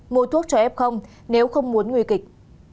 mua thuốc cho f nếu không muốn nguy kịch